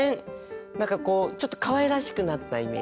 何かこうちょっとかわいらしくなったイメージです。